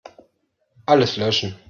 Alles löschen.